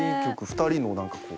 ２人の何かこう。